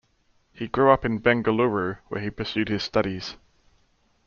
He grew up in Bengaluru, where he pursued his studies.